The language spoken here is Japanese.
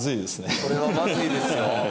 これはまずいですよ。